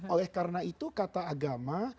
oleh karena itu kata agama